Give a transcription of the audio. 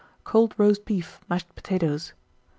Cold roast beef, mashed potatoes.